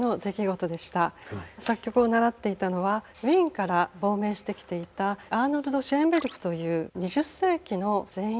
作曲を習っていたのはウィーンから亡命してきていたアルノルト・シェーンベルクという２０世紀の前衛